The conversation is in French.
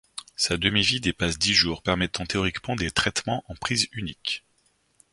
Sa demi-vie dépasse dix jours, permettant théoriquement des traitements en prise unique.